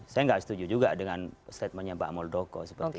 saya nggak setuju juga dengan statementnya pak muldoko seperti itu